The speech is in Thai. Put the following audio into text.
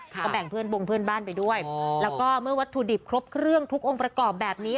ก็แบ่งเพื่อนบงเพื่อนบ้านไปด้วยแล้วก็เมื่อวัตถุดิบครบเครื่องทุกองค์ประกอบแบบนี้